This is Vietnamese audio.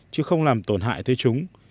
chứ không làm tổn hại thế chúng